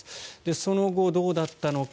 その後、どうだったのか。